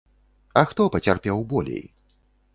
А хто пацярпеў болей?